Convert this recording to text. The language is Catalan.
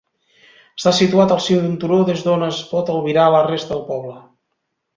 Està situat al cim d'un turó des d'on es pot albirar la resta del poble.